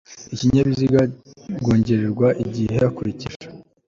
ikinyabiziga rwongererwa igihe hakurikije